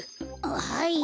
はい。